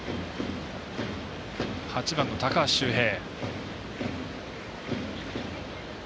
８番の高橋周平。